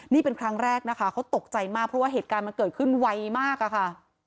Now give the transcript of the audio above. นี่เป็นครั้งแรกนะคะเขาตกใจมากเพราะว่าเหตุการณ์มันเกิดขึ้นไวมากอะค่ะ